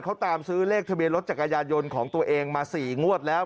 เขาตามซื้อเลขทะเบียนรถจักรยานยนต์ของตัวเองมา๔งวดแล้ว